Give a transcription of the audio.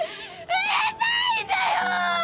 うるさいんだよ！